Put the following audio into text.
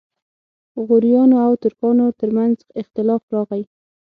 غوریانو او ترکانو ترمنځ اختلاف راغی.